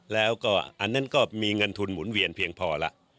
แล้วก็อันนั้นก็มีเงินทุนหมุนเวียนเพียงพอแล้ว